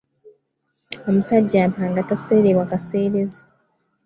Omusajja mpanga taseerebwa kaseerezi.